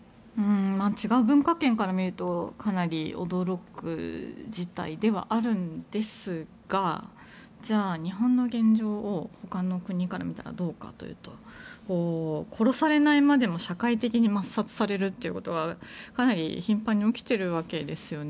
違う文化圏から見るとかなり驚く事態ではあるんですがじゃあ、日本の現状も他の国から見たらどうかというと殺されないまでも社会的に抹殺されることはかなり頻繁に起きてるわけですよね。